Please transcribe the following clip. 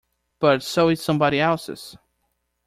But so is somebody else's.